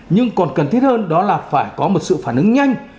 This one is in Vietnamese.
nhưng còn cần thiết hơn đó là phải có một sự phản ứng nhanh